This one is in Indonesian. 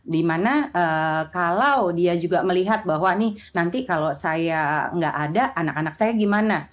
dimana kalau dia juga melihat bahwa nih nanti kalau saya nggak ada anak anak saya gimana